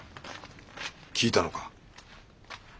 聞いたのか？